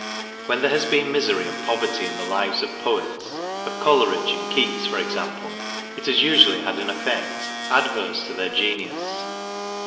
When there has been misery and poverty in the lives of poets of Coleridge and Keats, for example it has usually had an effect adverse to their genius.